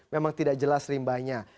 memang tidak jelas rimbanya